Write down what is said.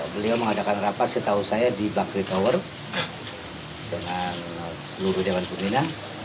beliau mengadakan rapat setahu saya di bakri tower dengan seluruh dewan pembina